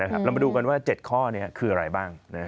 เรามาดูกันว่า๗ข้อนี้คืออะไรบ้าง